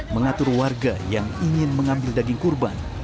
mengatur warga yang ingin mengambil daging kurban